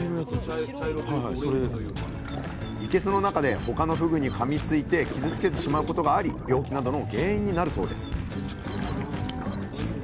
いけすの中で他のふぐにかみついて傷つけてしまうことがあり病気などの原因になるそうです